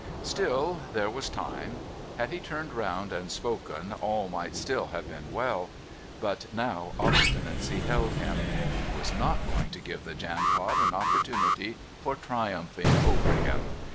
Still there was time. Had he turned round and spoken, all might still have been well. But now obstinacy held him. He was not going to give the Jampot an opportunity for triumphing over him.